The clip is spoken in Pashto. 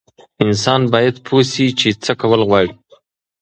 انسان باید پوه شي چې څه کول غواړي.